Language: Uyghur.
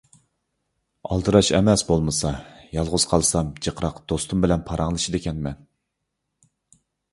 ئالدىراش ئەمەس بولمىسا. يالغۇز قالسام جىقراق دوستۇم بىلەن پاراڭلىشىدىكەنمەن.